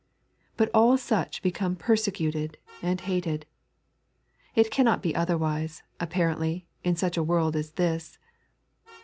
But all such become pereemtted and hated. It cannot be otherwise, apparently, in such a world as this.